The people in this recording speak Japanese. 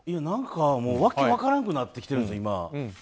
何か訳分からんくなってきてるんです、今。